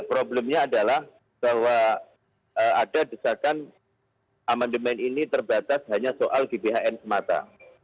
problemnya adalah bahwa ada desakan amandemen ini terbatas hanya soal gbhn semata